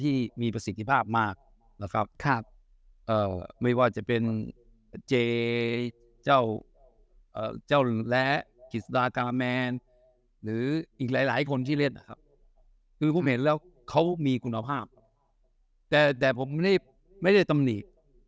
ที่มีประสิทธิภาพมากนะครับไม่ว่าจะเป็นเจเจ้าเจ้าและกิจสดากาแมนหรืออีกหลายคนที่เล่นนะครับคือผมเห็นแล้วเขามีคุณภาพแต่แต่ผมไม่ได้ตำหนิ